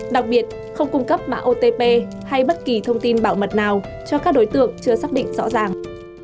đặc biệt không cung cấp mã otp hay bất kỳ thông tin bảo mật nào cho các đối tượng chưa xác định rõ ràng